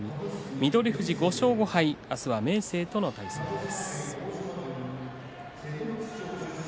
翠富士は５勝５敗で明日は明生との対戦です。